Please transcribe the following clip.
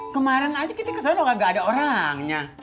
kemarin aja kita kesana gak ada orangnya